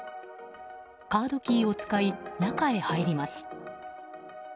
カードキーを使い中へ入ります。